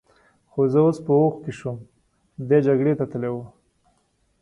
خو زه اوس په هوښ کې شوم، دی جګړې ته تلی و.